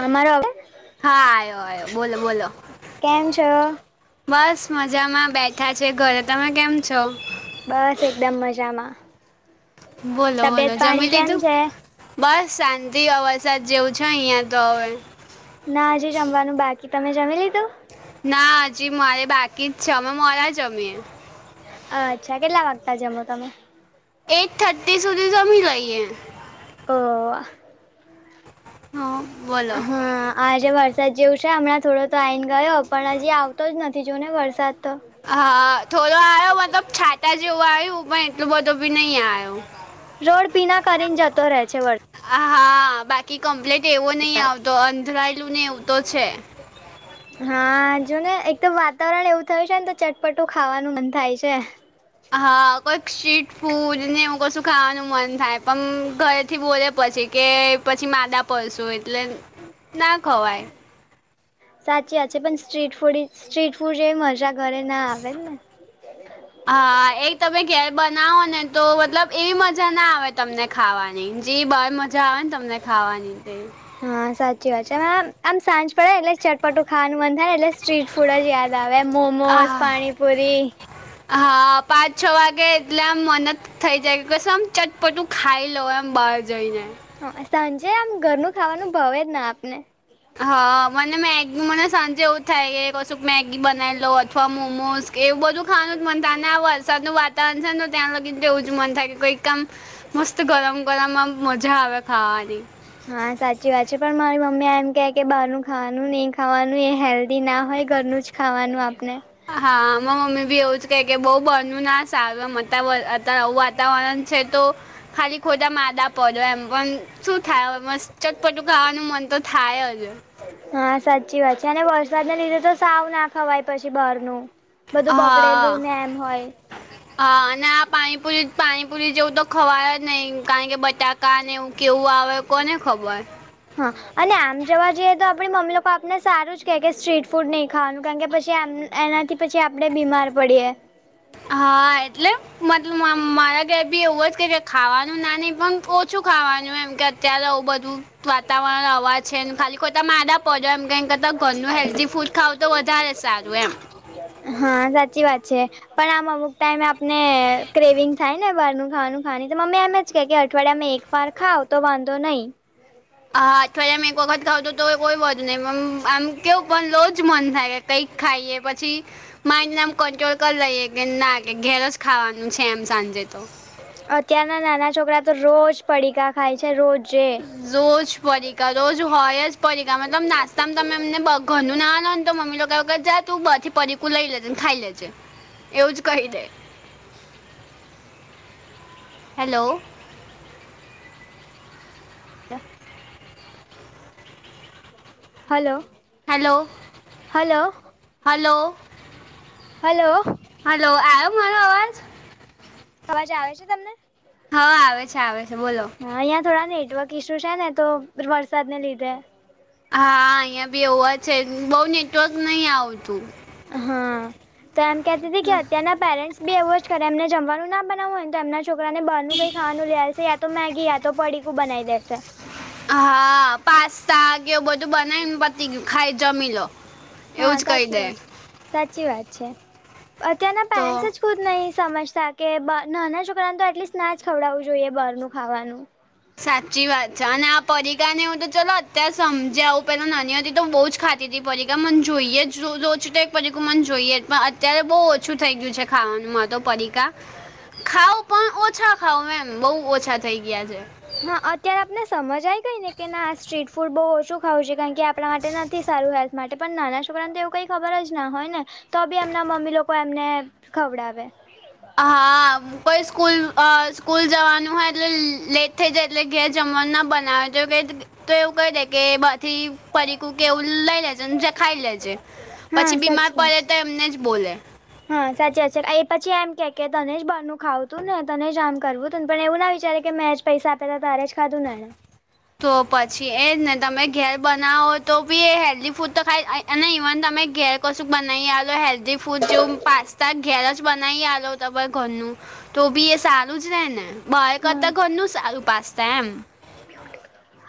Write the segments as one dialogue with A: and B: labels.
A: અમારો
B: હા આયો આયો બોલો બોલો.
A: કેમ છો
B: બસ મજામાં બેઠા છે ઘરે તમે કેમ છો.
A: બસ એકદમ મજામાં
B: બોલો
A: તબિયત
B: બોલો જમી
A: પાણી કેમ
B: લીધું
A: છે?
B: બસ શાંતિ વરસાદ જેવું છે અહિયાં તો હવે.
A: ના હજી જમવાનું બાકી તમે જમી લીધું.
B: ના હજી મારે બાકી જ છે અમે મોળા જમીએ.
A: અચ્છા કેટલા વાગતા જમો તમે.
B: એઈટ થર્ટી સુધી જમી લઈએ.
A: ઓ આ
B: હા બો
A: હા આજે વરસાદ જેવું છે હમણાં થોડો તો આવીને ગયો પણ હજી આવતો જ નથી. થી જો ને વરસાદ તો
B: હા થોડો આયો મતલબ છાતા જેવું આવ્યું પણ એટલું બધું બી નહી આયો.
A: રોડ ભીના કરીને જતો રહે છે વર
B: હા બાકી કમ્પ્લેટ એવો નહી
A: વરસાદ
B: આવતો અંધરાયેલું ને એવું તો છે. [inaudible]
A: હા જો ને એક તો વાતાવરણ એવું થયું છે ને તો ચટપટું ખાવાનું મન થાય છે.
B: હા, કોઈક સ્ટ્રીટ ફૂડ ને હું કશું ખાવાનું મન થાય પણ ઘરેથી બોલે પછી કે પછી માદા પડશો એટલે ના ખવાય.
A: સાચી વાત છે. પણ સ્ટ્રીટ ફૂડ સ્ટ્રીટ ફૂડ જેવી મજા ઘરે ના આવે ને.
B: હા, એક તમે ઘેર બનાવો ને તો મતલબ એવી મજા ના આવે તમને. ખાવાની જે બાર મજા આવે ને તમને ખાવાની તેવી.
A: હા, સાચી વાત છે આમ સાંજ પડે ને એટલે ચટપટું ખાવાનું મન થાય ને એટલે સ્ટ્રીટ ફૂડ જ યાદ આવે એમ મોમોઝ,
B: આહા
A: પાણીપુરી
B: હા પાંચ છો વાગે એટલે આમ મને થઇ જાય કે કશે આમ ચટપટું ખાઈ લઉ એમ બહાર જઈને.
A: હ સાંજે આમ ઘરનું ખાવાનું ભાવ જ ના આપને.
B: હા, મને મેગ મને સાંજે એવું થાય કશુંક મેગી બનાવી લઉ અથવા મોમોઝ એવું બધું ખાવાનું જ મન થાય ને આ વરસાદનું વાતાવરણ છે ને ત્યાં લગી તો એવું જ મન થાય કે કઈ આમ મસ્ત ગરમ ગરમમાં મજા આવે ખાવાની.
A: હા, સાચી વાત છે. પણ મારી મમ્મી એમ કે કે બહારનું ખાવાનું નહીં ખાવાનું એ હેલ્ધી ના હોય ઘરનું જ ખાવાનું આપને.
B: હા, માર મમ્મી બી એવું જ કે બો બારનું ના સારું આમ અત્યારે અત્યારે આવું વાતાવરણ છે તો ખાલી ખોટા માદા પડો એમ પણ શું થાય હવે મસ્ત ચટપટું ખાવાનું મન તો થાય અજ.
A: હા, સાચી વાત છે અને વરસાદના લીધે તો સાવ ના ખવાય પછી બહારનું. બધું
B: હા.
A: બગડેલું ને એમ હોય
B: હા, અને આ પાણીપુરી પાણીપુરી જેવું તો ખવાય જ નહી કારણ કે બટાક કાને એવું કેવું આવે કોને ખબર.
A: હા, અને આમ જોવા જઈએ તો આપડી મમ્મી લોકો આપને સારું જ કહે કે સ્ટ્રીટ ફૂડ નહીં ખાવાનું કારણ કે પછી એમ એનાથી પછી આપડે બીમાર પડીએ
B: હા, એટલે મત મ-મારા ઘર બી એવુંજ કે છે ખાવાનું ના નહી પણ ઓછું ખાવાનું એમ કે અત્યારે આવું બધું વાતાવરણ અવાજ છે ને ખાલી ખોતા માદા પડો એમ કઈમ કરતાં ઘરનું હેલ્ધી ફૂડ ખાવ તો વધારે સારું એમ.
A: હા, સાચી વાત છે. પણ આમ અમુક ટાઈમે આપને ક્રેવિંગ થાય ને બારનું ખાવાનું ખાવા તો મમ્મી એમ જ કે કે અવાડિયામાં એક ફાર ખાઓ તો વાંધો નહી.
B: હા, અઠવાડિયા માં એક વખત ઘાવ તો તોએ કોઈ વધ નહીં મમ આમ કેવું પણ રોજ મન થાય કે કઈક ખાઈએ પછી માઇડનેમ કંટ્રોલ કરી લઈએ કે ના કે ઘેર જ ખાવાનું છે એમ સાંજે તો.
A: અત્યારના નાના છોકરા તો રોજ પડીકા ખાય છે રોજે
B: રોજ પડીકા રોજ હોય જ પડીકા મતલબ નાસ્તામાં તમે એમને બ ઘરનું ના આલો ને તો મમ્મી લોકા ગર જ તું થી પકુ લઈ લેજે ને ખાઈ લેજે એવું જ કહી દે. હેલો.
A: ય hello.
B: Hello
A: hello
B: hello.
A: Hello.
B: Hello આયો મારો આવાજ?
A: અવાજ આવે છે તમને?
B: હા આવે છે આવે છે બોલો.
A: હા, અહીંયા થોડા નેટવર્ક ઇસ્યુ છે ને તો વરસાદને લીધે
B: હા, અહિયાં બી એવું છે બઉ નેટવર્ક નહી આવતું.
A: હા, તો એમ કેતી હતી કે અત્યારના પેરેન્ટ્સ બીવો જ કરે એમને જમવાનું ના બનાવું હોયને તો એમના છોકરાને બાર કઈ ખવાનું લ્યાશે યા તો મેગી યા તો પડીકું બનાઈ દેસે.
B: હા, પાસ્તા કેવું બધું બનાય ને પતી ગ્યું ખાઈ જમીલો.
A: હા સાચી વાત છે સાચી વાત છે અત્યારના પેરેન્ટ્સ
B: તો
A: જ. ખુદ નહી સમજતા કે બ નાના છોકરાને તો એટલીસ્ટ ના જ ખવડાવું જોઈએ બાર નું ખાવાનું.
B: સાચી વાત છે અને આ પરિકા ને હું તો ચલો અત્યારે સમજ આવું પેલા નાની હતી તો હું બહુ જ ખાત. પરિકા મને જોઈએ રોજનું એક પરીકુ મન જોઈએ પણ અત્યારે બહું. ઓછું થઈ ગયું છે ખાવાનું મા તો પડીકા. ખાવ પણ ઓછા ખાવ એમ બહુ ઓછા થઈ ગયા છે.
A: હા અત્યારે આપને સમજ આઈ ગઈ ને કે ના આ સ્ટ્રીટ. ફૂડ બહુ ઓછું ખાવું છે કારણ કે આપણા માટે નથી સારું હેલ્થ માટે પણ નાના છોકરા ને તો એવું કંઈ ખબર જ ના હોય ને. તો બી એમના મમ્મી લોકો એમને ખવડાવે.
B: હા. કોઈ સ્કૂલ સ્કૂલ જવાનું હોય એટલે લેટ થઈ જાય એટલે ઘેર જમવા ના બનાવેજ કે. તો એવું કહી દે કે બાથી. પરીકું કે એવું લઈ લેજે જે ખાઈ લેજે
A: હા
B: પછી બીમાર
A: સાચી વાત
B: પડે
A: છે.
B: તો એમને જ બોલે.
A: હા સાચી વાત છે એ પછી એમ કે તને જ બારનું ખાવું તું ને તને જ આમ કરવું હતું ને પણ એવું ના વિચારે. કે મેં જ પૈસા આપે તારે જ ખાધું ને.
B: તો પછી એ જ ને તમે ઘેર બનાવો તો બી એ હેલ્ધી ફૂડ તો ખાઈ. અને ઇવન તમે ઘેર કશું બનાવી આલો હેલ્ધી ફૂડ જેવ પાસ્તા ઘેર જ બનાવી આલો. ઘરનું તો બી એ સારું જ રે ને બહાર
A: હા
B: કરતા ઘરનું સારું પાસ્તા એમ.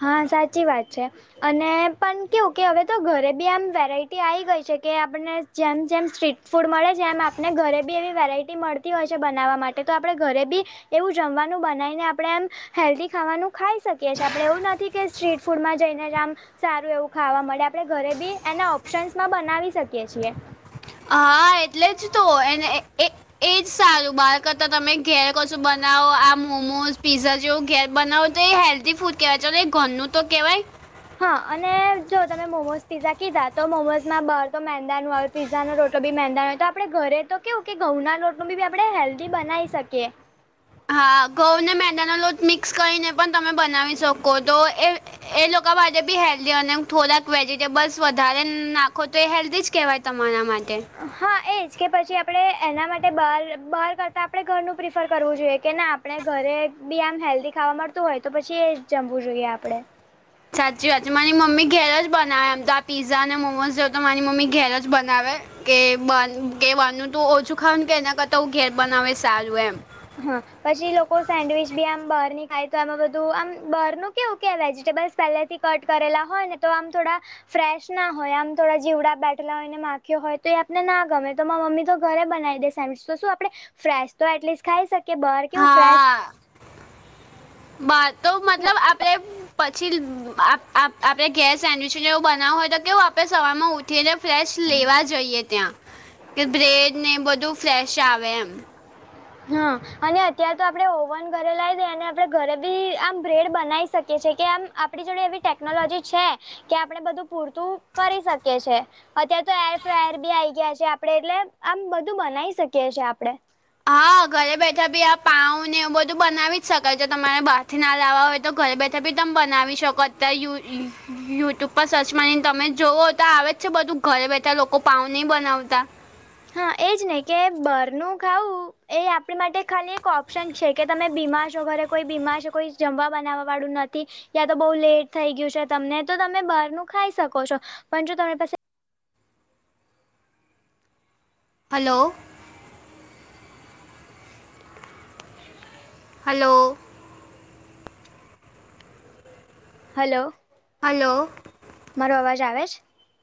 A: હા સાચી વાત છે. અને પણ કેવું કે હવે તો ઘરે બી આમ વેરાઈટી આવી ગઈ છે કે આપણને જેમ જેમ સ્ટ્રીટ. ફૂડ મળે છે એમ આપને ઘરે બી એવી વેરાઈટી. મળતી હોય છે બનાવવા માટે તો આપણે ઘરે બી એવું જમવાનું બનાવીને આપણે એમ. હેલ્ધી ખાવાનું ખાઈ શકીએ છીએ આપણે એવું નથી કે સ્ટ્રીટ ફૂડમાં જઈને જ આમ. સારું એવું ખાવા મળે આપણે ઘરે બી એના ઓપ્શન્સમાં બનાવી શકીએ છીએ.
B: હા એટલે જ તો એને એ. એજ સારું બાર કરતા તમે ઘેર કશું બનાવો આ મોમોઝ પીઝા જેવું ઘેર બનાવો. તો એ હેલ્ધી ફૂડ કહેવાય ચલો એ ઘરનું તો કહેવાય.
A: હા અને જો તમે મોમોઝ પીઝા કીધા તો મોમોઝ માં બહાર તો મેંદાનું આવે. પીઝાનો રોટલો બી મેહેંદાનો હોય તો આપણે ઘરે તો કેવું કે ઘઉંના લોટનું બી બી આપણે હેલ્ધી બનાવી શકીએ.
B: હા ઘઉંને મેંદાનો લોટ મિક્સ કરીને પણ તમે બનાવી શકો તો એ. એ લોકો માટે બી હેલ્ધી અને થોડાક વેજીિટેબલ્સ વધારે નાખો તો એ હેલ્ધી જ કહેવાય. તમારા માટે.
A: હા એ જ કે પછી આપણે એના માટે બહાર બહાર કરતાં આપણે ઘરનું પ્રિફર કરવું જોઈએ કે ના. આપણે ઘરે બી આમ હેલ્ધી ખાવા મળતું હોય તો પછી એ જમવું જોઈએ આપણે.
B: સાચી વાત છે મારી મમ્મી ઘેર જ બનાવે એમ તો આ પીઝા અને મોમોઝ જેવ તો મારી મમ્મી ઘેર જ બનાવે. કે કે બન તું ઓછું ખાવ કે એના કરતા ઘેર બનાવે સારું એમ.
A: હા પછી લોકો સેન્ડવીચ બી આમ બહાર ની ખાય તો આમાં બધું આમ બહાર નું કેવું કે વેજીિટેબલ્. પહેલેથી કટ કરેલા હોય ને તો આમ થોડા. ફ્રેશ ના હોય આમ થોડા જીવડા બેઠલા હોય ને માખ્યો હોય તો એ આપને ના ગમે તો મમ્મી તો ઘરે બનાવી દેસ. તો શું આપડે ફ્રેશ તો એટલીસ્ટ ખાઈ શકીએ બાર કેવું ફ્રેશ.
B: બાર તો મતલબ આપણે. પછી આપ આપડે ઘેર સેન્ડવીચને એવું બનાવું હોય તો કેવું આપડે સવાર માં ઉઠીને. ફ્રેશ લેવા જઈએ ત્યાં કે બ્રેડ ને બધું ફ્રેશ આવે એમ.
A: હા અને અત્યારે તો આપણે ઓવન ઘરે લાઈ દઈ અને આપણે ઘરે બી આમ બ્રેડ બનાવી શકીએ છીએ કે આમ. આપણી જોડે એવી ટેકનોલોજી છે કે આપણે બધું પૂરતું કરી શકીએ છે. અત્યારે તો એર ફ્રાયર બી આઈ ગયા છે આપડે એટલે આમ બધું બનાવી શકીએ છે આપડે.
B: હા ઘરે બેઠા બી આ પાઉ ને એવું બધું બનાવી જ શકાય છે તમારે બાર. થી ના લાવવા હોય તો ઘરે બેઠા બી તમે બનાવી શકો અતા. યુટ્યુબ પર સર્ચ મારી ને તમે જોઓ તો આવે જ છે બધું ઘરે બેઠા લોકો પાઉ નહીં બનાવતા.
A: હા એજ ને કે બરનું ખાવું એ આપણી માટે ખાલી એક ઓપ્શન છે. કે તમે બીમારશો ઘરે કોઈ બીમારશે કોઈ જમવા બનાવવાળું નથી કયાં તો બહુ લેટ થઈ ગયું છે તમને તો તમે બહાર નું ખાઈ શકો છો પણ જો તમે પાસા
B: હલો. હલો.
A: હલો.
B: હલો.
A: મારો અવાજ આવે છ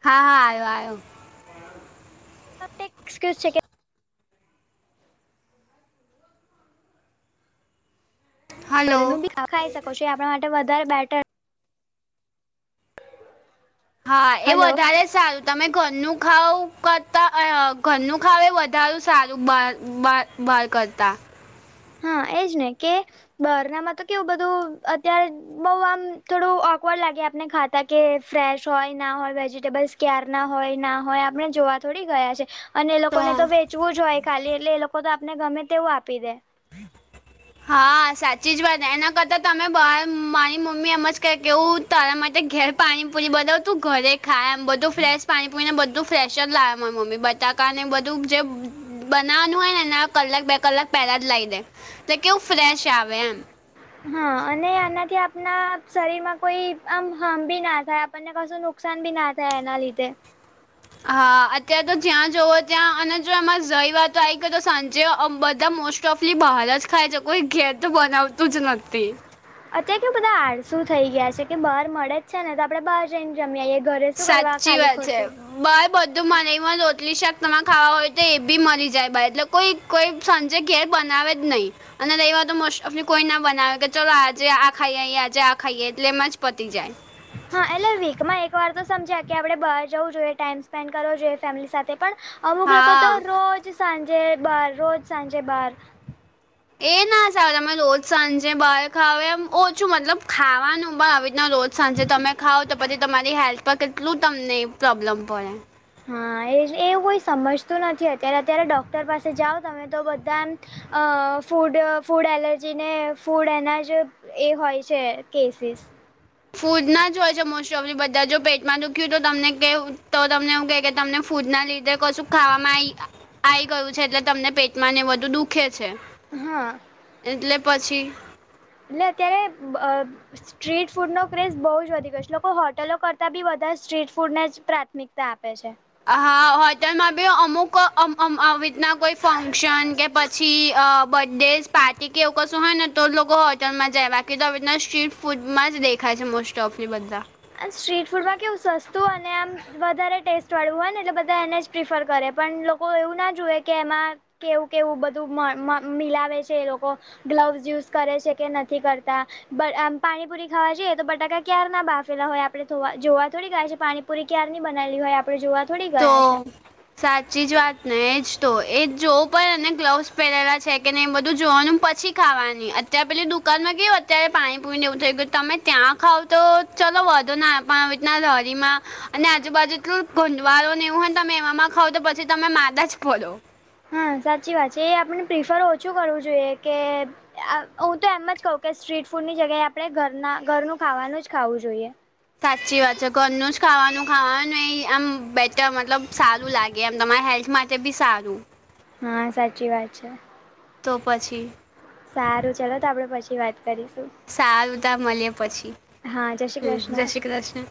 B: હા હા આયો આયો
A: હા તે કયુસ છે
B: હલો
A: ઘરે નું બી ખાઈ શકો છો એ આપણા માટે વધારે બેટર
B: હા એ
A: હલો
B: વધારે સારું તમે ઘરનું ખાવ કરતાં ઘરનું ખાવ એ વધારું સારું બા બાર બાર કરતા
A: હા એજ ને કે બારનામાં તો કેવું બધું અત્યારે બઉ આમ થોડું ઓકવર્ડ લાગે આપને ખાતા કે ફ્રેશ હોય ના હોય વેજીટેબલ્સ ક્યાર ના હોય ના હોય આપણે જોવા થોડી ગયા છે. અને એ લોકોને તો વેચવું જ હોય ખાલી એટલે એ લોકો તો આપને ગમે તેવું આપી દે
B: [inaudible] હા સાચી જ વાત એના કરતાં તમે બહાર મારી મમ્મી એમ જ કે કેવું તારા માટે ઘેર પાણીપુરી બનાવું તું ઘરે ખાય એમ બધું ફ્રેશ પાણી પુરી ને બધું ફ્રેશ જ લાવ એ માર મમ્મી બટાકા ને બધું જે બનાવાનું હોય ને એના કલાક બે કલાક પેલા લાઈ દે તે કેઉ ફ્રેશ આવે એમ
A: હા અને આનાથી આપણા શરીર માં કોઈ આમ હાર્મ ભી ના થાય આપણને કશું નુ નુકસાન બી ના થાય એના લીધે
B: હા અત્યારે તો જ્યાં જુવો ત્યાં અને જો એમાં જઈ વાતો આવી ગઈ તો સાંજે બધા મોશ ટફલી બહાર જ ખાય છે કોઈ ઘેર તો બનાવતું જ નથી.
A: અત્યારે કે બધા આડ શું થઈ ગયા છે કે બાર મળે જ છે ને તો આપડે બહાર જઈન જમ્યા આઈ એ ઘરે શું કરવા
B: સાચી
A: ખાલી
B: વાત છે
A: ખોટુ
B: બાર બધું મને રોટલી શાક તમાર ખાવા હોય તો એ બી મળી જાય બા એટલે કોઈ કોઈ સાંજે ઘેર બનાવે જ નહીં. અને રહી વાત મોસ્ટ ઓફલી કોઈ ના બનાવે કે ચલો આજે આ ખાઈએ આજે આ ખાઈએ એટલે એમ જ પતી જાય
A: હા એટલે વીકમાં એક વાર તો સમજ્યા કે આપડણે બહાર જવું જોઈએ ટાઈમ સ્પેન્ડ કરવો જોઈએ ફેમિલી સાથે પણ અમુક લોકો
B: હા
A: તો રોજ સાંજે બાર રોજ સાંજે બાર
B: એ ના સાબ તમે રોજ સાંજે બાર ખાવે ઓછું મતલબ ખાવાનું પણ રીતના રોજ સાંજે તમે ખાવ તો પછી તમારી હેલ્થ પર કેટલું તમને પ્રોબ્લમ પડે
A: હા એ એવું કોઈ સમજતું નથી અત્યારે અત્યારે ડૉક્ટર પાસે જાઓ તમે તો બધા એમ અ ફૂડ ફૂડ એલર્જીને ફૂડ એનાજ એ હોય છે કેસીસ
B: ફૂડના જ હોય છે મોસ્ટ ઓફલી બધા જો પેટમાં દુખ્યું તો તમને કહે તો તમને એવું કહે કે તમને ફૂડના લીધે કશું ખાવામાં આઈ ગયું છે એટલે તમને પેટમાં ને વધુ દુખે છે.
A: હા.
B: એટલે પછી
A: એટલે અત્યારે અ સ્ટ્રીટ ફૂડનો ક્રેઝ બહુ જ વધી ગયો છે લોકો હોટલો કરતાં બી વધારે સ્ટ્રીટ ફૂડને જ પ્રાથમિકતા તા આપે છે.
B: હા હોટલમાં બી અમુક અ અમાવિત ના કોઈ ફંક્શન કે પછી અ બડેઝ પાર્ટી કે એવું કશું હોય ને તો લોકો હોટલમાં જાય બાકી તો આવી રીતના સ્ટ્રીટ ફૂડમાં જ દેખાય છે મોસ્ટ ટોફી બધા
A: આ સ્ટ્રીટ ફૂડમાં કેવું સસ્તું અને આમ વધારે ટેસ્ટ વાળવું હોય ને એટલે બધા એને જ પ્રિફર કરે પણ લોકો એવું ના જુએ કે એમાં કેવું કેવું બધું મિલાવે છે એ લોકો ગ્લવસ યુઝ કરે છે કે નથી કરતા આમ પાણીપુરી ખાવા જઈએ તો બટાકા ક્યાર ના બાફ લા હોય આપણે થોવા જોવા થોડી ગયા છે પાણીપુરી ક્યારની બનાયેલી હોય આપણે જોવા થોડી
B: તો
A: ગયા છે.
B: સાચી જ વાત ને એજ તો એ જોવું પણ ગ્લવસ પહેરેલા છે કે નઈને એ બધું જોવાનું પછી ખાવાની અત્યારે પેલી દુકાન માં કેવું અત્યારે પાણી પુરીને એવું થઈ ગયું તમે ત્યાં ખાવ તો ચલો વોધો ના પણ આવીતના લરીમાં અને આજુબાજુ એટલું ગ વારો એવું હોને તમે એમાં ખાવ તો પછી તમે માદા જ ફડો.
A: હા સાચી વાત છે એ આપણે પ્રિફર ઓછું કરવું જોઈએ કે હું તો એમ જ કહું કે સ્ટ્રીટ ફૂડની જગ્યાએ આપણે ઘરના ઘરનું ખાવાનું જ ખાવું જોઈએ.
B: સાચી વાત છે ઘરનું જ ખાવાનું ખાવાનું એ આમ બેટર મતલબ સારું લાગે એમ તમારા હેલ્થ માટે તે બી સારું
A: હા સાચી વાત છે.
B: તો પછી
A: સારું ચલો તો આપણેે પછી વાત કરીશું.
B: સારુ તાણ મલીયે પછી
A: હા જય શ્રી
B: હ જય
A: કૃષ્ણ
B: શ્રી કૃષ્ણ.